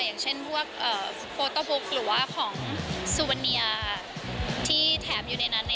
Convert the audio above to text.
อย่างเช่นพวกโฟโต้บุ๊กหรือว่าของซูวาเนียที่แถมอยู่ในนั้น